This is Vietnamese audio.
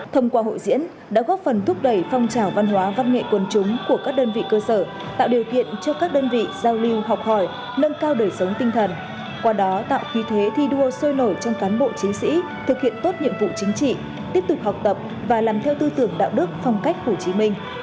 thông qua hội diễn đã góp phần thúc đẩy phong trào văn hóa văn nghệ quần chúng của các đơn vị cơ sở tạo điều kiện cho các đơn vị giao lưu học hỏi nâng cao đời sống tinh thần qua đó tạo khí thế thi đua sôi nổi trong cán bộ chiến sĩ thực hiện tốt nhiệm vụ chính trị tiếp tục học tập và làm theo tư tưởng đạo đức phong cách hồ chí minh